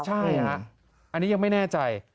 ใช่อันนี้ยังไม่แน่ใจ